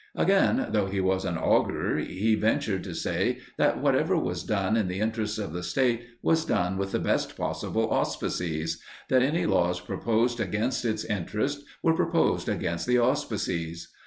Again, though he was an augur, he ventured to say that whatever was done in the interests of the State was done with the best possible auspices, that any laws proposed against its interest were proposed against the auspices.